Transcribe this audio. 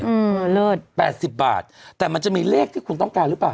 เออเลิศแปดสิบบาทแต่มันจะมีเลขที่คุณต้องการหรือเปล่า